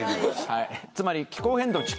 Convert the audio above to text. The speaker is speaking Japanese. つまり気候変動